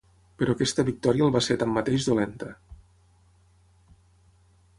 Però aquesta victòria el va ser tanmateix dolenta.